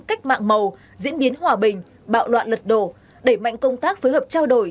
cách mạng màu diễn biến hòa bình bạo loạn lật đổ đẩy mạnh công tác phối hợp trao đổi